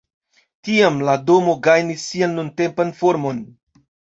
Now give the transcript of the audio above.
Tiam la domo gajnis sian nuntempan formon.